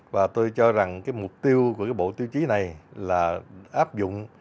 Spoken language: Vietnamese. và tôi cho rằng cái mục tiêu của cái bộ tiêu chí này là áp dụng